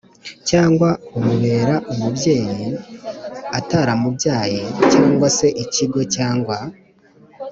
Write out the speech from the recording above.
cyangwa umubera umubyeyi ataramubyaye cyangwa se ikigo cyangwa